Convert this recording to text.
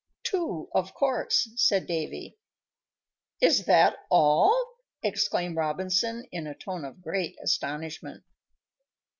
"Two, of course," said Davy. "Is that all?" exclaimed Robinson, in a tone of great astonishment.